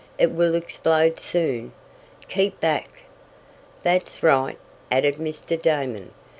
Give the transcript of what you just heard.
"It will explode soon. Keep back!" "That's right!" added Mr. Damon.